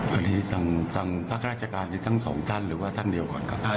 วันนี้สั่งพักราชการทั้งสองท่านหรือว่าท่านเดียวก่อนครับ